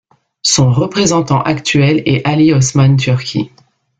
Son représentant actuel est Ali Osman Turki.